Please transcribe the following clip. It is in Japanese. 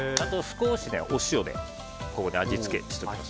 少しお塩で味付けをしておきます。